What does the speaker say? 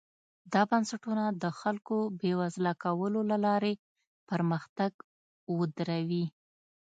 دا بنسټونه د خلکو بېوزله کولو له لارې پرمختګ ودروي.